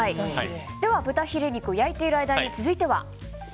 豚ヒレ肉を焼いている間に続いては？